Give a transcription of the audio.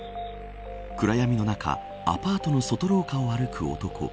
暗闇の中アパートの外廊下を歩く男。